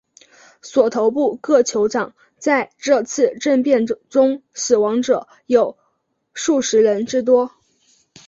索头部各酋长在这次政变中死亡者有数十人之多。